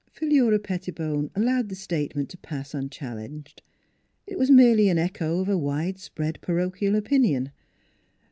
Philura Pettibone allowed the statement to pass unchallenged. It was merely an echo of a wide spread parochial opinion.